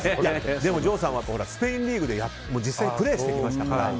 でも、城さんはスペインリーグで実際にプレーしてきましたから。